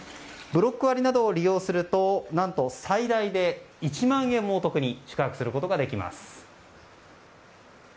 ブロック割などを利用すると何と最大で１万円もお得に宿泊することができます。